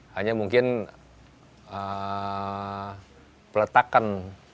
hanya mungkin peletakan